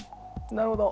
なるほど。